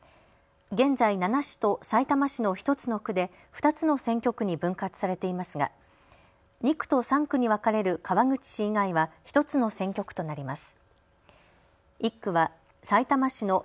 現在、７市とさいたま市の１つの区で２つの選挙区に分割されていますが、２区と３区にに分かれる川口市以外は１つの選挙区となります。